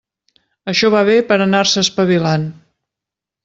Això va bé per anar-se espavilant.